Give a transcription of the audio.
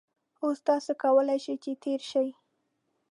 اوس تاسو کولای شئ چې تېر شئ